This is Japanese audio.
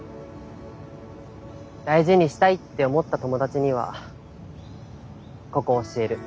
大事にしたいって思った友達にはここを教える。